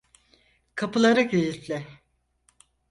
Kapıları kilitle.